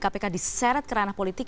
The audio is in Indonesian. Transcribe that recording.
kpk diseret ke ranah politik